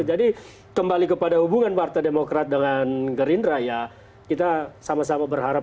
jadi kembali kepada hubungan warta demokrat dengan gerindra ya kita sama sama berharap